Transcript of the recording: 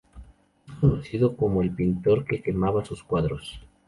Es conocido como el pintor que quemaba sus cuadros.